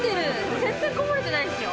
全然こぼれてないですよ。